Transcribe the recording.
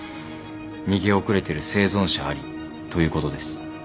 逃げ遅れてる生存者ありということです。